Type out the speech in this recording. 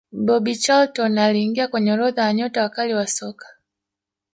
bobby charlton aliingia kwenye orodha ya nyota wakali wa soka